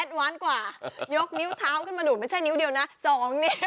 อ๋อแอดวานด์กว่ายกนิ้วเท้าขึ้นมาดูดไม่ใช่นิ้วเดียวนะสองนิ้ว